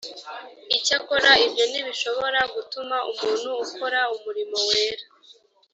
icyakora ibyo ntibishobora gutuma umuntu ukora umurimo wera